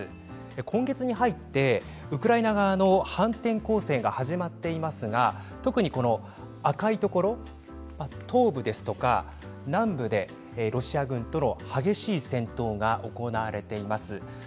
今月に入ってウクライナ側の反転攻勢が始まっていますが特に赤いところ東部、南部でロシア軍との激しい戦闘が行われています。